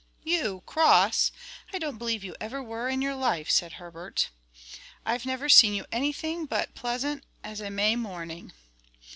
"You cross! I don't believe you ever were in your life," said Herbert. "I've never seen you any thing but pleasant as a May morning."